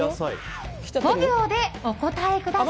５秒でお答えください。